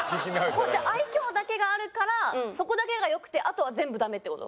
じゃあ愛嬌だけがあるからそこだけが良くてあとは全部ダメって事？